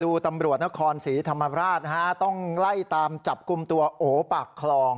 ตำรวจนครศรีธรรมราชนะฮะต้องไล่ตามจับกลุ่มตัวโอปากคลอง